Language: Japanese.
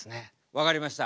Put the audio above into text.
分かりました。